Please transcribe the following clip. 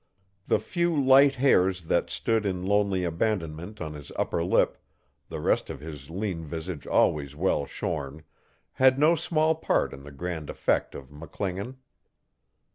The few light hairs that stood in lonely abandonment on his upper lip, the rest of his lean visage always well shorn, had no small part in the grand effect of McClingan.